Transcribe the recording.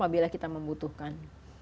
bila kita membutuhkan